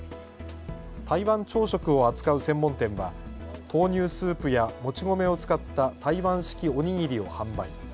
台湾朝食を扱う専門店は豆乳スープやもち米を使った台湾式お握りを販売。